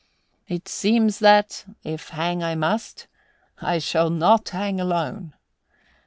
It seems that, if hang I must, I shall not hang alone."